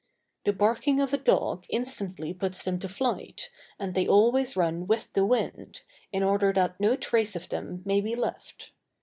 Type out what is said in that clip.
The barking of a dog instantly puts them to flight, and they always run with the wind, in order that no trace of them may be left.